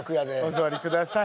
お座りください。